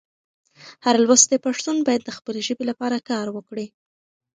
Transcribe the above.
هر لوستی پښتون باید د خپلې ژبې لپاره کار وکړي.